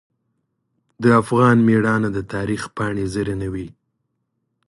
د افغان میړانه د تاریخ پاڼې زرینوي.